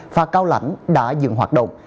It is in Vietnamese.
phà cao lãnh đã dừng hoạt động